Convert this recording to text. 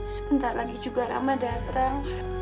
sebentar lagi juga ramadan